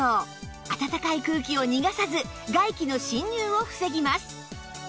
あたたかい空気を逃がさず外気の侵入を防ぎます